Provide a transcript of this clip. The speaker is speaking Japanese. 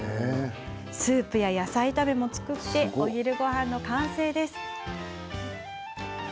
スープや野菜炒めも作ってお昼ごはんの完成です。